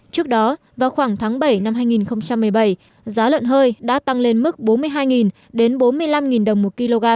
trước đó vào khoảng tháng bảy năm hai nghìn một mươi bảy giá lợn hơi đã tăng lên mức bốn mươi hai bốn mươi năm đồng một kg